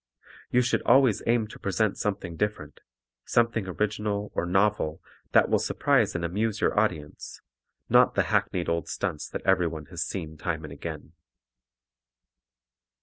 You should always aim to present something different, something original or novel that will surprise and amuse your audience, not the hackneyed old stunts that everyone has seen time and again.